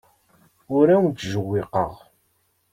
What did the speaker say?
Ur awen-ttjewwiqeɣ.